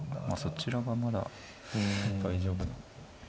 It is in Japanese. まあそちらがまだ大丈夫な。